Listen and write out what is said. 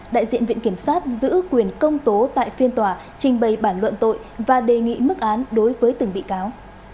đại diện viện kiểm sát giữ quyền công tố tại phiên tòa trình bày bản luận tội và đề nghị mức án đối với từng bị cáo